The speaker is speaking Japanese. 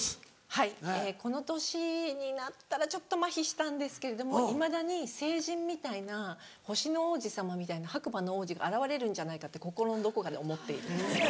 はいこの年になったらちょっとまひしたんですけれどもいまだに聖人みたいな星の王子様みたいな白馬の王子が現れるんじゃないかって心のどこかで思っている。